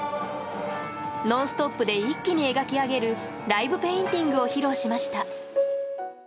ノンストップで一気に描き上げるライブペインティングを披露しました。